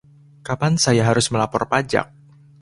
Kapan saya harus melapor pajak?